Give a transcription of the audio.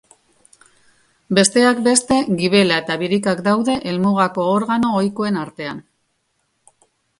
Besteak beste, gibela eta birikak daude helmugako organo ohikoenen artean.